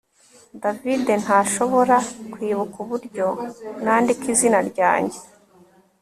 David ntashobora kwibuka uburyo nandika izina ryanjye